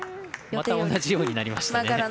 また同じようになりましたね。